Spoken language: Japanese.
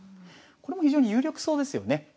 これも非常に有力そうですよね。